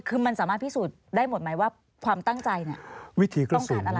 คือมันสามารถพิสูจน์ได้หมดไหมว่าความตั้งใจเนี่ยวิธีต้องการอะไร